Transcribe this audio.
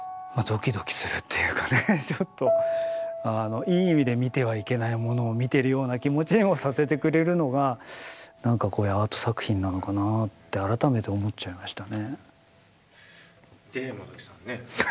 ちょっとあのいい意味で見てはいけないものを見てるような気持ちにもさせてくれるのがなんかこういうアート作品なのかなって改めて思っちゃいましたね。